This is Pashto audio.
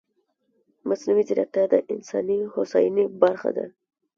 مصنوعي ځیرکتیا د انساني هوساینې برخه ده.